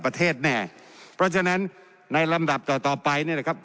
ประเทศแน่เพราะฉะนั้นในลำดับต่อต่อไปเนี่ยนะครับ